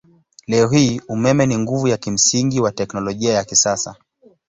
Leo hii umeme ni nguvu ya kimsingi wa teknolojia ya kisasa.